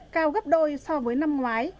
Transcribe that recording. cao gấp đôi so với năm ngoái